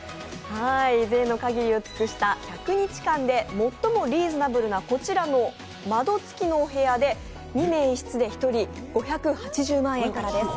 ぜいの限りを尽くした１００日間で最もリーズナブルなこちらの窓付のお部屋で２名１室で一人５８０万円からです。